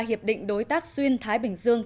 hiệp định đối tác xuyên thái bình dương